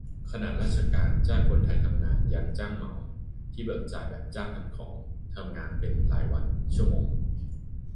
ขนาดราชการจ้างคนไทยทำงาน ยัง "จ้างเหมา" ที่เบิกจ่ายแบบ "จ้างทำของ" ทำงานเป็นรายวัน-ชั่วโมง